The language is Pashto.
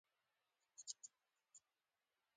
ګډین تر زنګانه پورې وي.